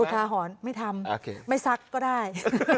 อุทาหอนไม่ทำไม่ซักก็ได้